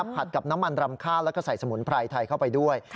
ผัดกับน้ำมันรำข้าวแล้วก็ใส่สมุนไพรไทยเข้าไปด้วย